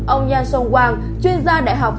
ông yashong wang chuyên gia đại học